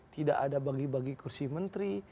tidak ada bagi bagi kursi menteri